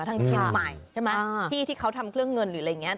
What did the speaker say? ทางเชียงใหม่ใช่ไหมที่ที่เขาทำเครื่องเงินหรืออะไรอย่างนี้